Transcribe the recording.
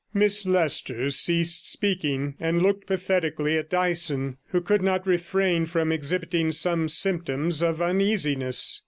Miss Leicester ceased speaking, and looked pathetically at Dyson, who could not refrain from exhibiting some symptoms of uneasiness.